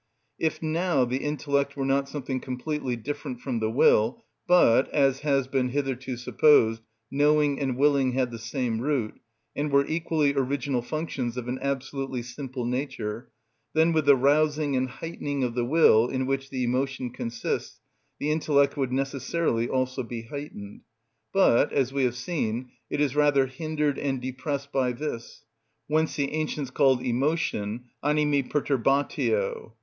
If now the intellect were not something completely different from the will, but, as has been hitherto supposed, knowing and willing had the same root, and were equally original functions of an absolutely simple nature, then with the rousing and heightening of the will, in which the emotion consists, the intellect would necessarily also be heightened; but, as we have seen, it is rather hindered and depressed by this; whence the ancients called emotion animi perturbatio.